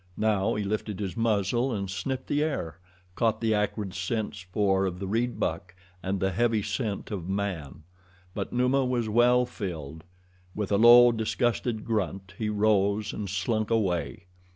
Now he lifted his muzzle and sniffed the air, caught the acrid scent spoor of the reed buck and the heavy scent of man. But Numa was well filled. With a low, disgusted grunt he rose and slunk away.